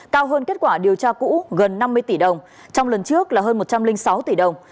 cao hơn kết quả điều tra cũ gần năm mươi tỷ đồng trong lần trước là hơn một trăm linh sáu tỷ đồng